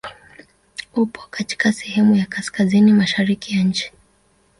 Upo katika sehemu ya kaskazini mashariki ya nchi.